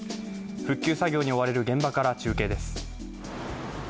復旧作業に追われる現場から中継です。